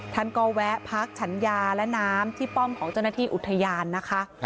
ท่านก็แวะพักฉันยาและน้ำที่ป้อมของเจ้าหน้าที่อุทยานนะคะ